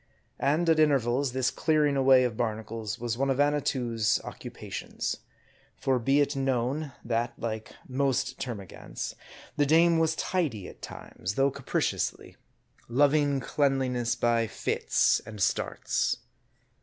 And, at intervals, this clearing away of barnacles was one of Annatoo's occupations. For be it known, that, like most termagants, the dame was tidy at times, though capriciously ; loving cleanliness by fits and starts.